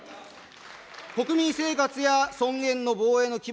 国民生活や尊厳の防衛の基盤